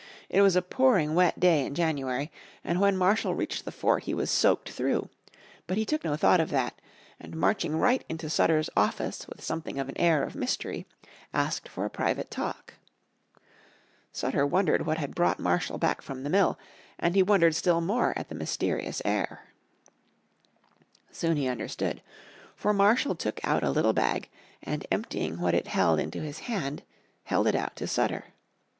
It was a pouring wet day in January, and when Marshall reached the fort he was soaked through. But he took no thought of that, and marching right into Sutter's office with something of an air of mystery asked for a private talk. Sutter wondered what had brought Marshall back from the mill, and he wondered still more at the mysterious air. Soon he understood. For Marshall took out a little bag, and emptying what it held into his hand, held it out to Sutter.